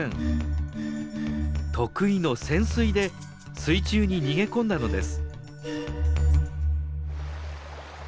得意の潜水で水中に逃げ込んだのです。